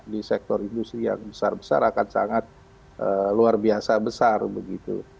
di sektor industri yang besar besar akan sangat luar biasa besar begitu